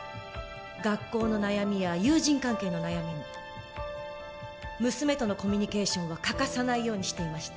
学校の悩みや友人関係の悩みも娘とのコミュニケーションは欠かさないようにしていました